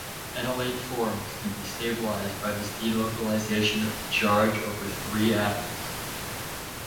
Enolate forms can be stabilized by this delocalization of the charge over three atoms.